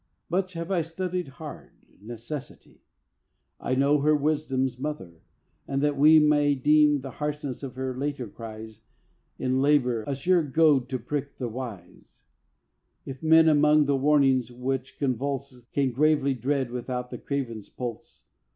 Much have I studied hard Necessity! To know her Wisdom's mother, and that we May deem the harshness of her later cries In labour a sure goad to prick the wise, If men among the warnings which convulse, Can gravely dread without the craven's pulse.